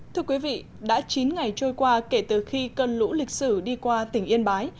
thưa quý vị đã chín ngày trôi qua kể từ khi cơn lũ lịch sử đi qua tỉnh yên bái